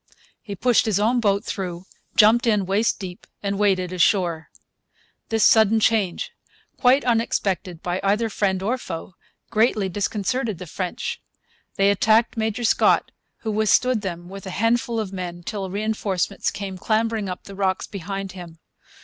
He pushed his own boat through, jumped in waist deep, and waded ashore. This sudden change, quite unexpected by either friend or foe, greatly disconcerted the French. They attacked Major Scott, who withstood them with a handful of men till reinforcements came clambering up the rocks behind him.